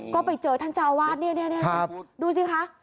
ก็ไปเจอท่านเจ้าอาวาสเนี่ยดูสิคะ